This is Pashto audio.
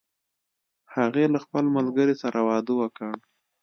هغې له خپل ملګری سره واده وکړ